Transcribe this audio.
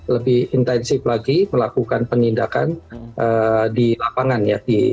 lebih intensif lagi melakukan penindakan di lapangan ya